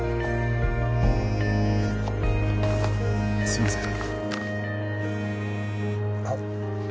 すいません。